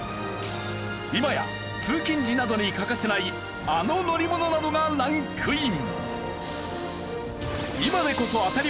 今や通勤時などに欠かせないあの乗り物などがランクイン。